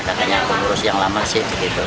karena aku ngurus yang lama sih